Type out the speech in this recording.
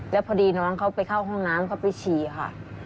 แล้วพอดีน้องเขาไปเข้าห้องน้ำเขาไปฉี่ค่ะ